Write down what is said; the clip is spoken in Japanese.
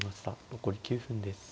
残り９分です。